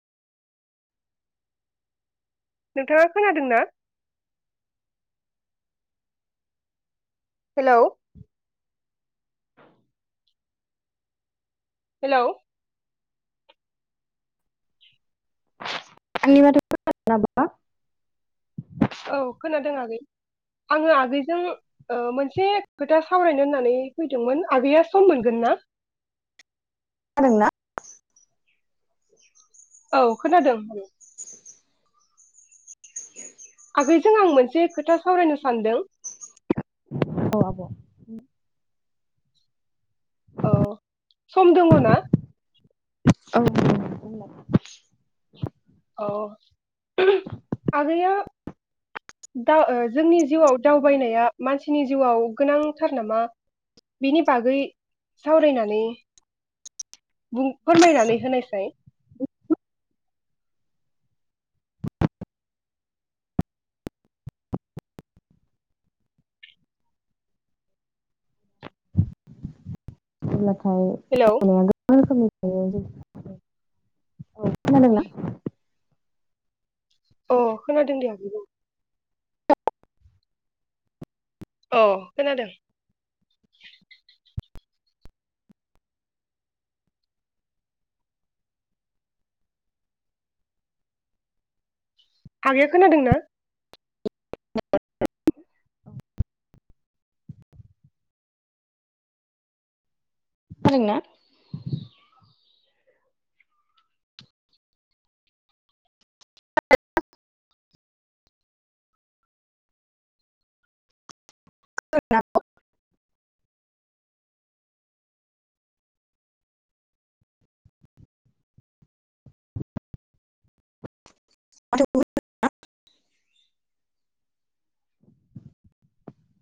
नोंथाङा खोनादों ना? हेलौ हेलौ आंनि माथोखौ खोनादोंना आब'आ? औ खोनादों आगै आङो आगैजों ओ मोनसे खोथा सावरायनो होननानै फैदोंमोन आगैया सम मोनगोन ना? [unintelligible] औ खोनादों। आगैजों आं मोनसे खोथा सावरायनो सानदों। अ आब' औ सम दोङना? औ औ आगैया दा ओ जोंनि जिउआव दावबायनाया मानसिनि जिउआव गोनांथार नामा बिनि बागै सावरायनानै बुं फोरमायनानै होनायसाय। [unintelligible] औ हेलौ खोनादोंना? अ खोनादों दे आगै बुं। अ खोनादों। आगैया खोनादों ना? [unintelligible] [unintelligible] [unintelligible]